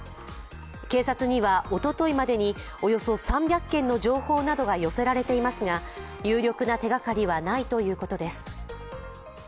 警察には、おとといまでにおよそ３００件の情報などが寄せられていますが有力な手がかりはないということです。